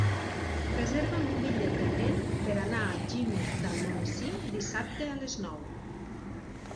Reserva'm un bitllet de tren per anar a Algímia d'Almonesir dissabte a les nou.